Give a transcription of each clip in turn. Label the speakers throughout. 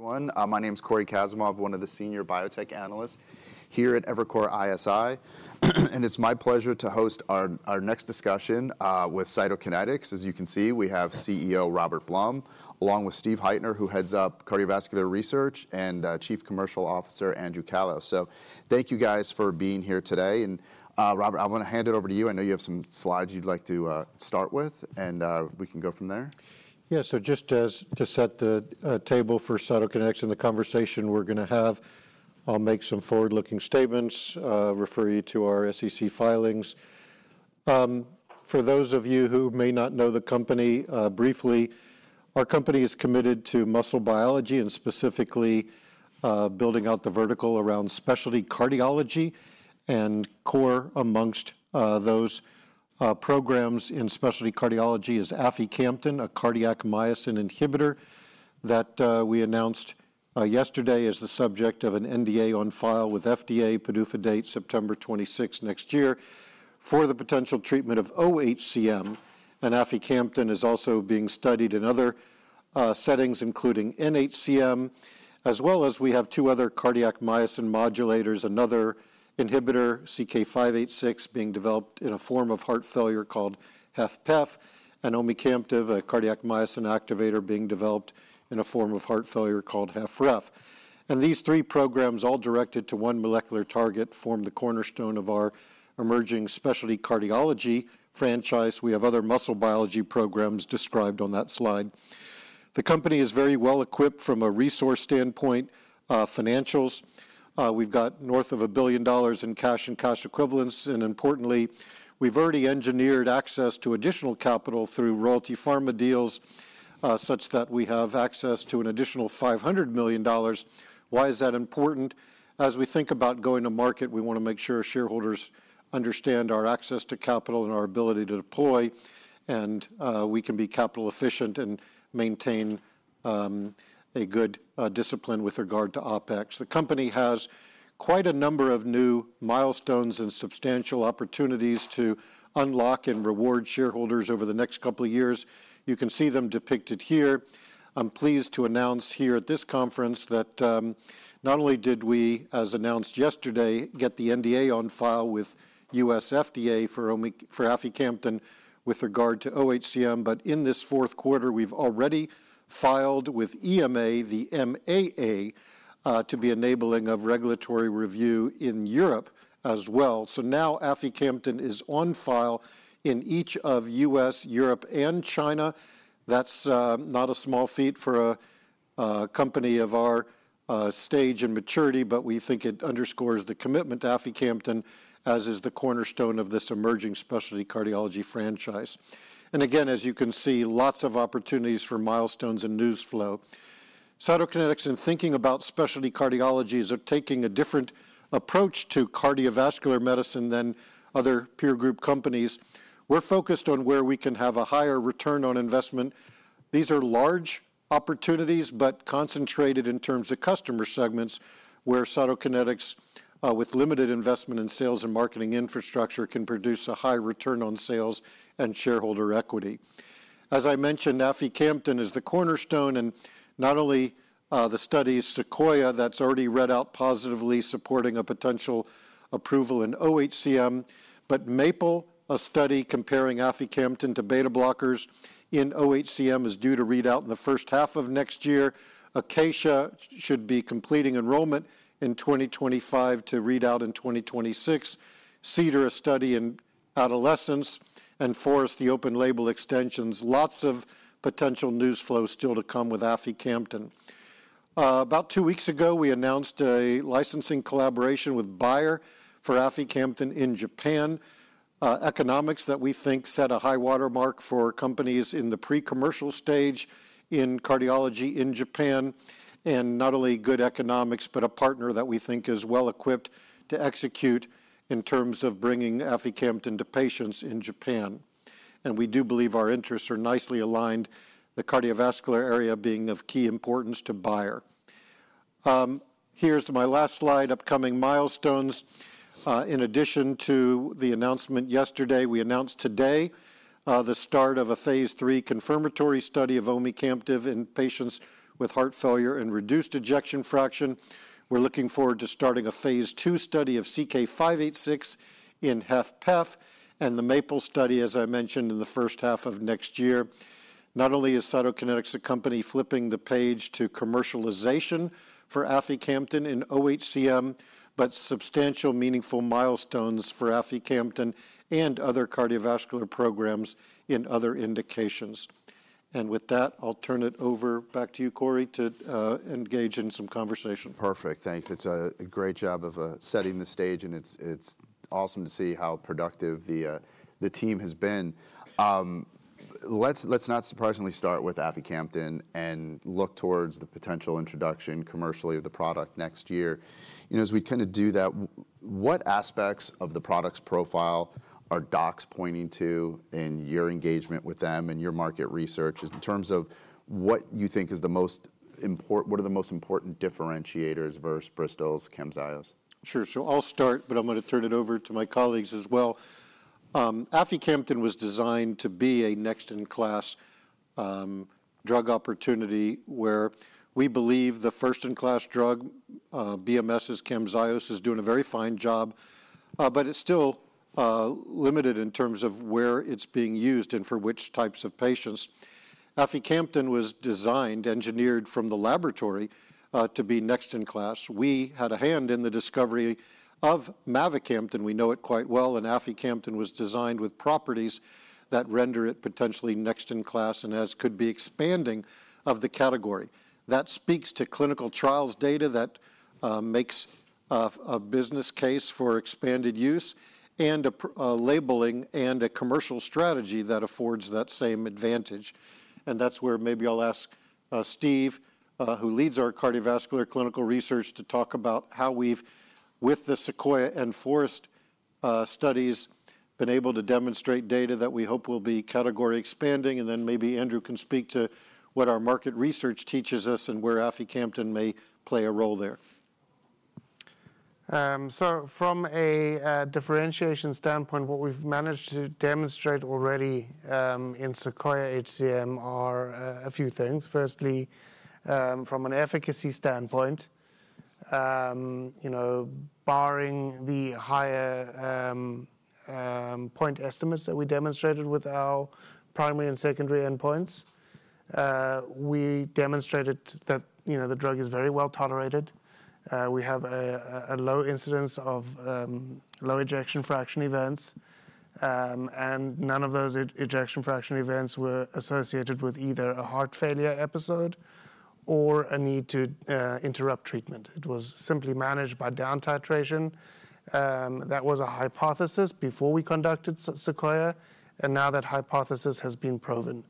Speaker 1: Everyone, my name is Cory Kasimov, one of the Senior Biotech Analysts here at Evercore ISI, and it's my pleasure to host our next discussion with Cytokinetics. As you can see, we have CEO Robert Blum, along with Steve Heitner, who heads up Cardiovascular Research, and Chief Commercial Officer Andrew Callos. So thank you guys for being here today, and Robert, I'm going to hand it over to you. I know you have some slides you'd like to start with, and we can go from there.
Speaker 2: Yeah, so just to set the table for Cytokinetics and the conversation we're going to have, I'll make some forward-looking statements, refer you to our SEC filings. For those of you who may not know the company briefly, our company is committed to muscle biology and specifically building out the vertical around specialty cardiology, and core amongst those programs in specialty cardiology is aficamten, a cardiac myosin inhibitor that we announced yesterday as the subject of an NDA on file with FDA, PDUFA date September 26 next year for the potential treatment of oHCM, and aficamten is also being studied in other settings, including nHCM, as well as we have two other cardiac myosin modulators, another inhibitor, CK-586, being developed in a form of heart failure called HFpEF, and omecamtiv, a cardiac myosin activator being developed in a form of heart failure called HFrEF. These three programs, all directed to one molecular target, form the cornerstone of our emerging specialty cardiology franchise. We have other muscle biology programs described on that slide. The company is very well equipped from a resource standpoint, financials. We've got north of $1 billion in cash and cash equivalents. Importantly, we've already engineered access to additional capital through Royalty Pharma deals such that we have access to an additional $500 million. Why is that important? As we think about going to market, we want to make sure shareholders understand our access to capital and our ability to deploy, and we can be capital efficient and maintain a good discipline with regard to OpEx. The company has quite a number of new milestones and substantial opportunities to unlock and reward shareholders over the next couple of years. You can see them depicted here. I'm pleased to announce here at this conference that not only did we, as announced yesterday, get the NDA on file with U.S. FDA for aficamten with regard to oHCM, but in this fourth quarter, we've already filed with EMA, the MAA, to be enabling of regulatory review in Europe as well, so now aficamten is on file in each of U.S., Europe, and China. That's not a small feat for a company of our stage and maturity, but we think it underscores the commitment to aficamten, as is the cornerstone of this emerging specialty cardiology franchise, and again, as you can see, lots of opportunities for milestones and news flow. Cytokinetics and thinking about specialty cardiology is taking a different approach to cardiovascular medicine than other peer group companies. We're focused on where we can have a higher return on investment. These are large opportunities, but concentrated in terms of customer segments where Cytokinetics, with limited investment in sales and marketing infrastructure, can produce a high return on sales and shareholder equity. As I mentioned, aficamten is the cornerstone, and not only the study SEQUOIA that's already read out positively supporting a potential approval in oHCM, but MAPLE, a study comparing aficamten to beta blockers in oHCM, is due to read out in the first half of next year. ACACIA should be completing enrollment in 2025 to read out in 2026. CEDAR, a study in adolescence, and FOREST, the open label extensions. Lots of potential news flow still to come with aficamten. About two weeks ago, we announced a licensing collaboration with Bayer for aficamten in Japan. Economics that we think set a high watermark for companies in the pre-commercial stage in cardiology in Japan, and not only good economics, but a partner that we think is well equipped to execute in terms of bringing aficamten to patients in Japan, and we do believe our interests are nicely aligned, the cardiovascular area being of key importance to Bayer. Here's my last slide, upcoming milestones. In addition to the announcement yesterday, we announced today the start of a phase three confirmatory study of omecamtiv in patients with heart failure and reduced ejection fraction. We're looking forward to starting a phase two study of CK-586 in HFpEF and the MAPLE study, as I mentioned, in the first half of next year. Not only is Cytokinetics a company flipping the page to commercialization for aficamten in oHCM, but substantial, meaningful milestones for aficamten and other cardiovascular programs in other indications. With that, I'll turn it over back to you, Cory, to engage in some conversation.
Speaker 1: Perfect. Thanks. It's a great job of setting the stage, and it's awesome to see how productive the team has been. Let's not surprisingly start with aficamten and look towards the potential introduction commercially of the product next year. You know, as we kind of do that, what aspects of the product's profile are docs pointing to in your engagement with them and your market research in terms of what you think is the most important, what are the most important differentiators versus Bristol's, Camzyos?
Speaker 2: Sure. So I'll start, but I'm going to turn it over to my colleagues as well. Aficamten was designed to be a next-in-class drug opportunity where we believe the first-in-class drug, BMS's Camzyos, is doing a very fine job, but it's still limited in terms of where it's being used and for which types of patients. Aficamten was designed, engineered from the laboratory to be next-in-class. We had a hand in the discovery of mavacamten. We know it quite well, and aficamten was designed with properties that render it potentially next-in-class and as could be expanding of the category. That speaks to clinical trials data that makes a business case for expanded use and a labeling and a commercial strategy that affords that same advantage. That's where maybe I'll ask Steve, who leads our cardiovascular clinical research, to talk about how we've, with the SEQUOIA and FOREST studies, been able to demonstrate data that we hope will be category expanding. Then maybe Andrew can speak to what our market research teaches us and where aficamten may play a role there.
Speaker 3: So from a differentiation standpoint, what we've managed to demonstrate already in SEQUOIA-HCM are a few things. Firstly, from an efficacy standpoint, you know, the drug is very well tolerated. We have a low incidence of low ejection fraction events, and none of those ejection fraction events were associated with either a heart failure episode or a need to interrupt treatment. It was simply managed by down titration. That was a hypothesis before we conducted SEQUOIA-HCM, and now that hypothesis has been proven.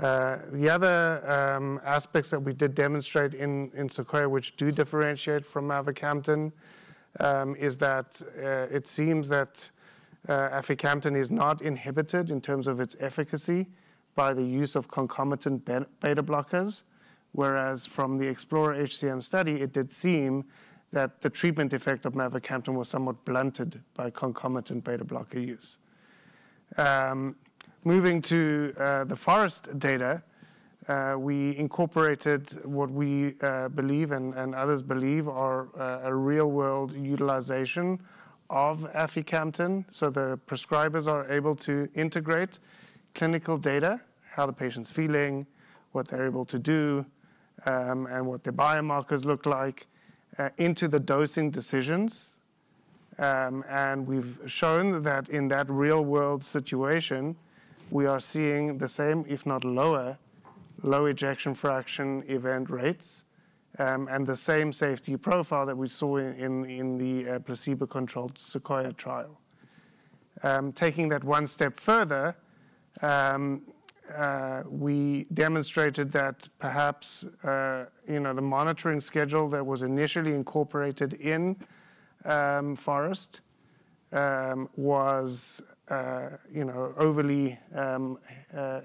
Speaker 3: The other aspects that we did demonstrate in SEQUOIA, which do differentiate from mavacamten, is that it seems that aficamten is not inhibited in terms of its efficacy by the use of concomitant beta blockers, whereas from the EXPLORER HCM study, it did seem that the treatment effect of mavacamten was somewhat blunted by concomitant beta blocker use. Moving to the FOREST data, we incorporated what we believe and others believe are a real-world utilization of aficamten, so the prescribers are able to integrate clinical data, how the patient's feeling, what they're able to do, and what their biomarkers look like into the dosing decisions, and we've shown that in that real-world situation, we are seeing the same, if not lower, low ejection fraction event rates and the same safety profile that we saw in the placebo-controlled SEQUOIA trial. Taking that one step further, we demonstrated that perhaps, you know, the monitoring schedule that was initially incorporated in FOREST was, you know, overly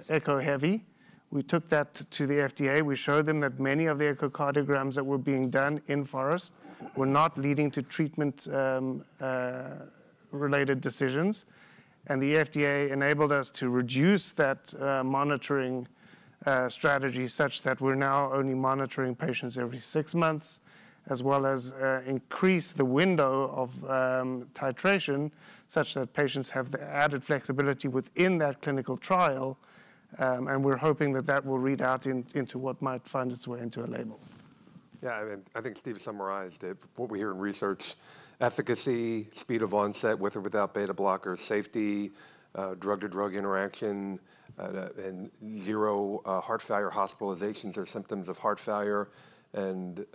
Speaker 3: echo heavy. We took that to the FDA. We showed them that many of the echocardiograms that were being done in FOREST were not leading to treatment-related decisions. And the FDA enabled us to reduce that monitoring strategy such that we're now only monitoring patients every six months, as well as increase the window of titration such that patients have the added flexibility within that clinical trial. And we're hoping that that will read out into what might find its way into a label.
Speaker 4: Yeah, I think Steve summarized it. What we hear in research, efficacy, speed of onset with or without beta blockers, safety, drug-to-drug interaction, and zero heart failure hospitalizations or symptoms of heart failure, and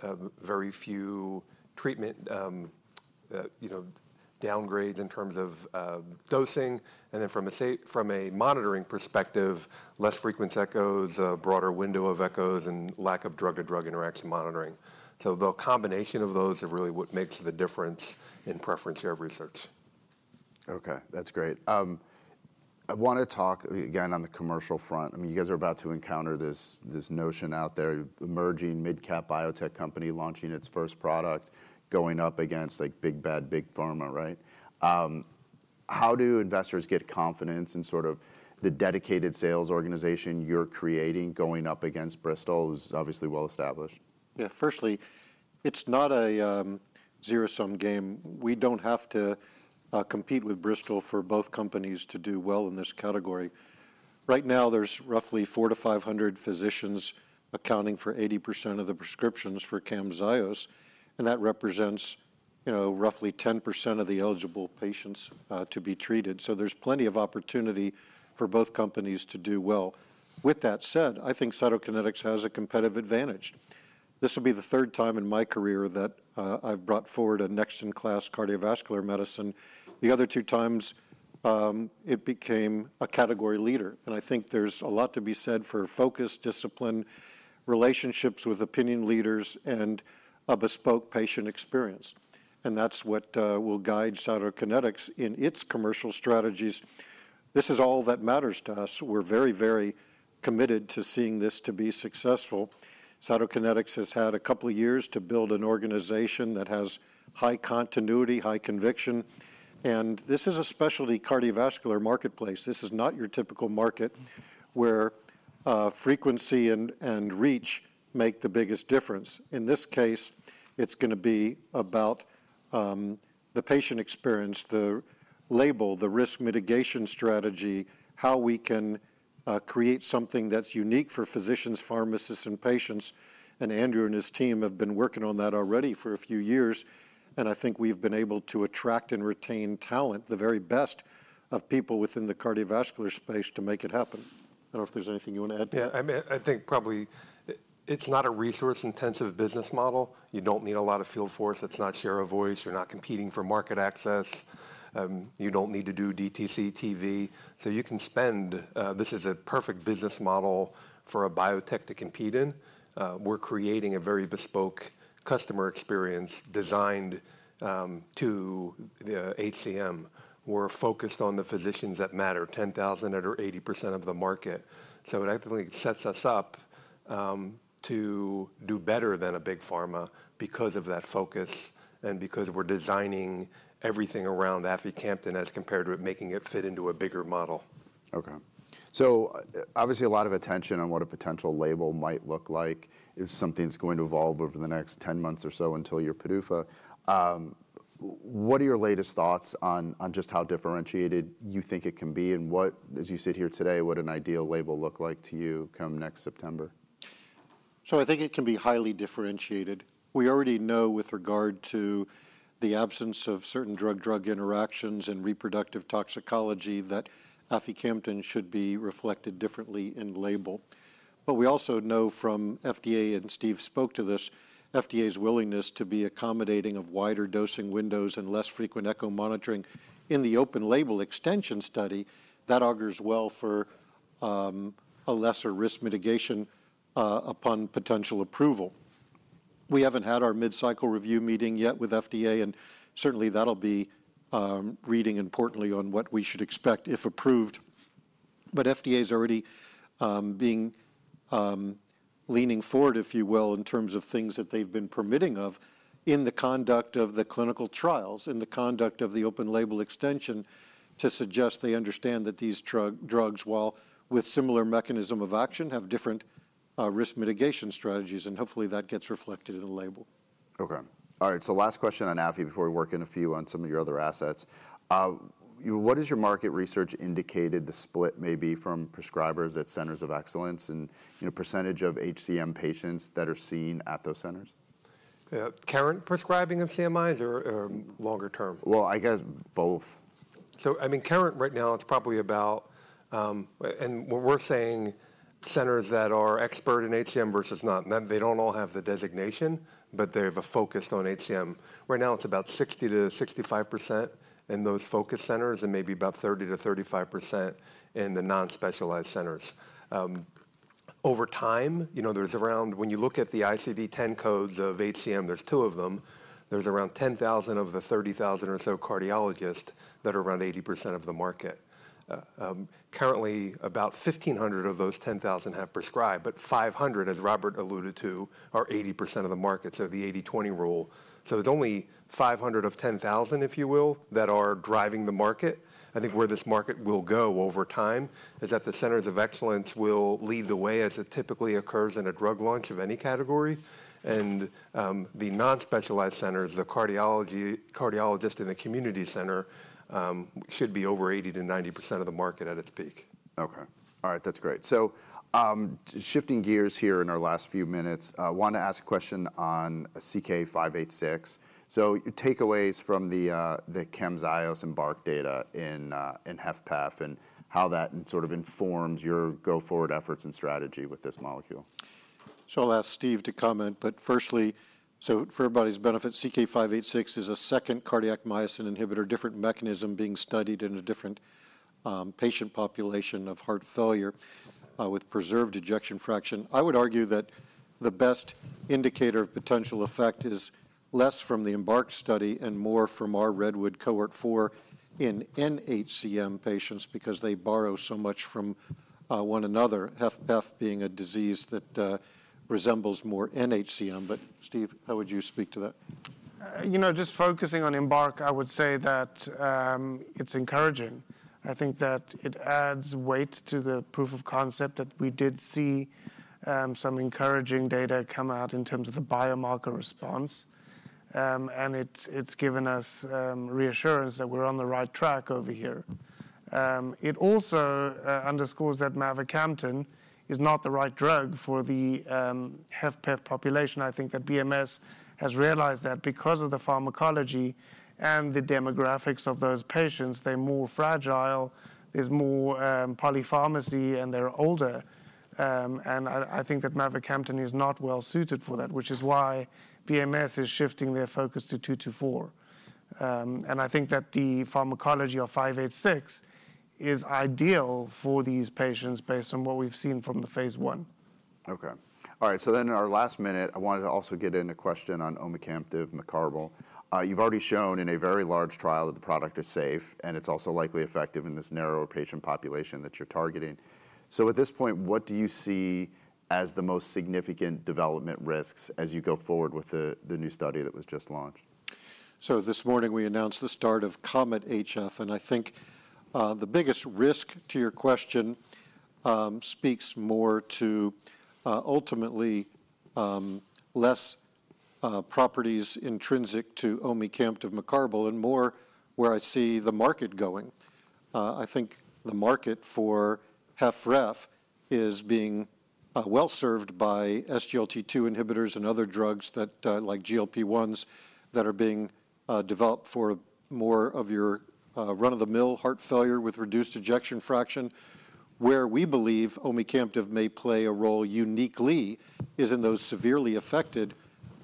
Speaker 4: very few treatment, you know, downgrades in terms of dosing. And then from a monitoring perspective, less frequent echoes, a broader window of echoes, and lack of drug-to-drug interaction monitoring. So the combination of those are really what makes the difference in preference of research.
Speaker 1: Okay, that's great. I want to talk again on the commercial front. I mean, you guys are about to encounter this notion out there, emerging mid-cap biotech company launching its first product, going up against like big bad, big pharma, right? How do investors get confidence in sort of the dedicated sales organization you're creating going up against Bristol, who's obviously well established?
Speaker 2: Yeah, firstly, it's not a zero-sum game. We don't have to compete with Bristol for both companies to do well in this category. Right now, there's roughly 400-500 physicians accounting for 80% of the prescriptions for Camzyos, and that represents, you know, roughly 10% of the eligible patients to be treated. So there's plenty of opportunity for both companies to do well. With that said, I think Cytokinetics has a competitive advantage. This will be the third time in my career that I've brought forward a next-in-class cardiovascular medicine. The other two times, it became a category leader. And I think there's a lot to be said for focus, discipline, relationships with opinion leaders, and a bespoke patient experience. And that's what will guide Cytokinetics in its commercial strategies. This is all that matters to us. We're very, very committed to seeing this to be successful. Cytokinetics has had a couple of years to build an organization that has high continuity, high conviction. And this is a specialty cardiovascular marketplace. This is not your typical market where frequency and reach make the biggest difference. In this case, it's going to be about the patient experience, the label, the risk mitigation strategy, how we can create something that's unique for physicians, pharmacists, and patients. And Andrew and his team have been working on that already for a few years. And I think we've been able to attract and retain talent, the very best of people within the cardiovascular space to make it happen. I don't know if there's anything you want to add.
Speaker 4: Yeah, I mean, I think probably it's not a resource-intensive business model. You don't need a lot of field force. It's not share of voice. You're not competing for market access. You don't need to do DTC TV. So you can spend. This is a perfect business model for a biotech to compete in. We're creating a very bespoke customer experience designed to the HCM. We're focused on the physicians that matter, 10,000 out of 80% of the market. So it actually sets us up to do better than a big pharma because of that focus and because we're designing everything around aficamten as compared to it making it fit into a bigger model.
Speaker 1: Okay, so obviously a lot of attention on what a potential label might look like is something that's going to evolve over the next 10 months or so until your PDUFA. What are your latest thoughts on just how differentiated you think it can be? And what, as you sit here today, would an ideal label look like to you come next September?
Speaker 2: So I think it can be highly differentiated. We already know with regard to the absence of certain drug-drug interactions and reproductive toxicology that aficamten should be reflected differently in label. But we also know from FDA, and Steve spoke to this, FDA's willingness to be accommodating of wider dosing windows and less frequent echo monitoring in the open label extension study, that augurs well for a lesser risk mitigation upon potential approval. We haven't had our mid-cycle review meeting yet with FDA, and certainly that'll be reading importantly on what we should expect if approved. But FDA's already being leaning forward, if you will, in terms of things that they've been permitting of in the conduct of the clinical trials, in the conduct of the open label extension to suggest they understand that these drugs, while with similar mechanism of action, have different risk mitigation strategies, and hopefully that gets reflected in the label.
Speaker 1: Okay. All right. So last question on afi before we work in a few on some of your other assets. What has your market research indicated the split may be from prescribers at centers of excellence and, you know, percentage of HCM patients that are seen at those centers?
Speaker 4: Current prescribing of CMIs or longer term?
Speaker 1: I guess both.
Speaker 4: So I mean, currently right now, it's probably about, and what we're saying, centers that are expert in HCM versus not. They don't all have the designation, but they have a focus on HCM. Right now, it's about 60%-65% in those focus centers and maybe about 30%-35% in the non-specialized centers. Over time, you know, there's around, when you look at the ICD-10 codes of HCM, there's two of them. There's around 10,000 of the 30,000 or so cardiologists that are around 80% of the market. Currently, about 1,500 of those 10,000 have prescribed, but 500, as Robert alluded to, are 80% of the market, so the 80/20 rule. So there's only 500 of 10,000, if you will, that are driving the market. I think where this market will go over time is that the centers of excellence will lead the way as it typically occurs in a drug launch of any category, and the non-specialized centers, the cardiologist in the community center should be over 80%-90% of the market at its peak.
Speaker 1: Okay. All right. That's great. So shifting gears here in our last few minutes, I wanted to ask a question on CK-586. So your takeaways from the Camzyos Embark data in HFpEF and how that sort of informs your go-forward efforts and strategy with this molecule.
Speaker 2: So I'll ask Steve to comment, but firstly, so for everybody's benefit, CK-586 is a second cardiac myosin inhibitor, different mechanism being studied in a different patient population of heart failure with preserved ejection fraction. I would argue that the best indicator of potential effect is less from the EMBARK study and more from our REDWOOD cohort four in nHCM patients because they borrow so much from one another, HFpEF being a disease that resembles more nHCM. But Steve, how would you speak to that?
Speaker 3: You know, just focusing on EMBARK, I would say that it's encouraging. I think that it adds weight to the proof of concept that we did see some encouraging data come out in terms of the biomarker response, and it's given us reassurance that we're on the right track over here. It also underscores that mavacamten is not the right drug for the HFpEF population. I think that BMS has realized that because of the pharmacology and the demographics of those patients, they're more fragile, there's more polypharmacy, and they're older, and I think that mavacamten is not well suited for that, which is why BMS is shifting their focus to 224, and I think that the pharmacology of 586 is ideal for these patients based on what we've seen from the phase one.
Speaker 1: Okay. All right. So then in our last minute, I wanted to also get in a question on omecamtiv mecarbil. You've already shown in a very large trial that the product is safe and it's also likely effective in this narrower patient population that you're targeting. So at this point, what do you see as the most significant development risks as you go forward with the new study that was just launched?
Speaker 2: So this morning, we announced the start of COMET-HF, and I think the biggest risk to your question speaks more to ultimately less properties intrinsic to omecamtiv mecarbil, and more where I see the market going. I think the market for HFrEF is being well served by SGLT2 inhibitors and other drugs like GLP-1s that are being developed for more of your run-of-the-mill heart failure with reduced ejection fraction. Where we believe omecamtiv mecarbil may play a role uniquely is in those severely affected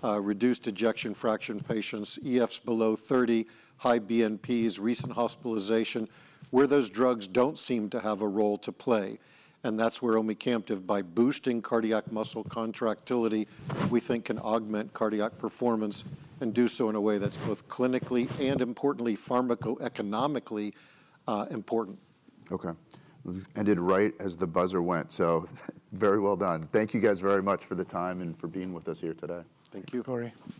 Speaker 2: reduced ejection fraction patients, EFs below 30, high BNPs, recent hospitalization, where those drugs don't seem to have a role to play, and that's where omecamtiv mecarbil, by boosting cardiac muscle contractility, we think can augment cardiac performance and do so in a way that's both clinically and importantly pharmacoeconomically important.
Speaker 1: Okay. And it ended right as the buzzer went, so very well done. Thank you guys very much for the time and for being with us here today.
Speaker 2: Thank you.
Speaker 3: Thanks, Cory.